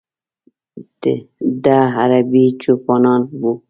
د ه عربي چوپانان و.